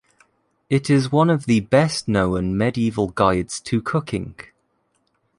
It is one of the best-known medieval guides to cooking.